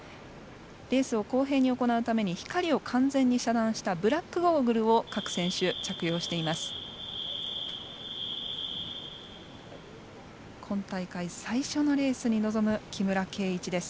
レースを公平に行うために光を完全に遮断したブラックゴーグルを各選手着用しています。